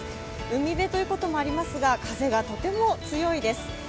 海辺ということもありますが、風がとても強いです。